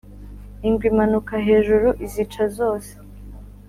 ingwe imanuka hejuru izica zose.